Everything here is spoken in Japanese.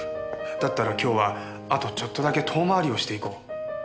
だったら今日はあとちょっとだけ遠回りをしていこう。